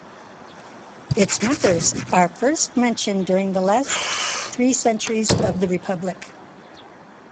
Its members are first mentioned during the last three centuries of the Republic.